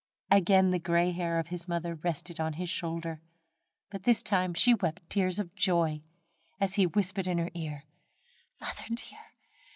Again the gray hair of his mother rested on his shoulder, but this time she wept tears of joy, as he whispered in her ear: "Mother, dear!